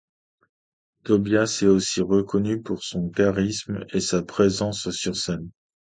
Tobias est aussi reconnu pour son charisme et sa présence sur scène.